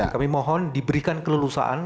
kami mohon diberikan kelulusaan